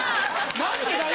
何でだよ！